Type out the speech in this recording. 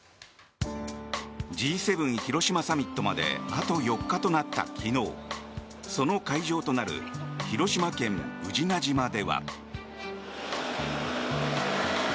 Ｇ７広島サミットまであと４日となった昨日その会場となる広島県・宇品島では。